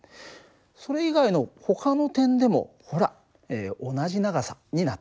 それ以外のほかの点でもほら同じ長さになってる。